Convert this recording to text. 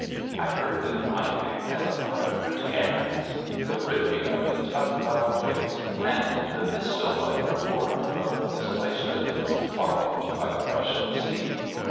I heard the grinding as of a hundred querns, the ripping of the tough bow plates, and the pistol like report of displaced rivets followed by the rush of the sea.